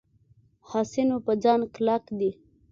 حسینو په ځان کلک دی.